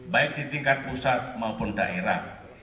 baik di tingkat pusat maupun daerah